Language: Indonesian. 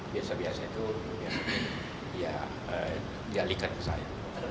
biasa biasa itu ya dialihkan ke saya